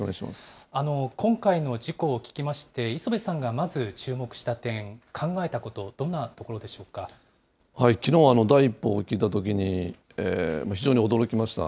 今回の事故を聞きまして、磯部さんがまず注目した点、考えたきのう第一報を聞いたときに、非常に驚きました。